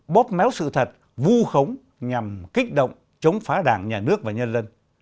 bóp méo sự thật vu khống nhằm kích động chống phá đảng nhà nước và nhân dân